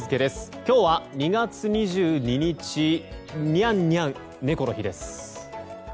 今日は２月２２日にゃにゃん、猫の日です。